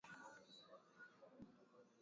Kila siku anaenda shule